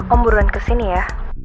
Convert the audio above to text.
om buruan kesini ya